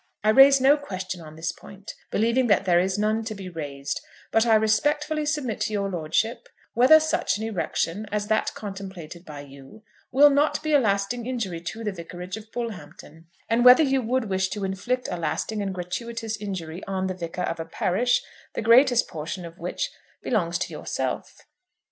I raise no question on this point, believing that there is none to be raised; but I respectfully submit to your lordship, whether such an erection as that contemplated by you will not be a lasting injury to the Vicarage of Bullhampton, and whether you would wish to inflict a lasting and gratuitous injury on the vicar of a parish, the greatest portion of which belongs to yourself.